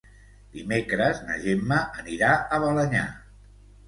Dimecres na Gemma anirà a Balenyà.